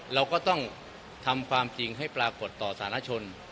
เราก็ต้องทำความจริงให้ปรากฏต่อสารชน